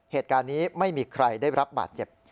เหตุการณ์นี้ไม่มีใครได้รับบาดเจ็บ